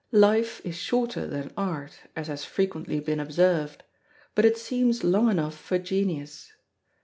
Life is shorter than Art, as has frequently been observed; but it seems long enough for Genius.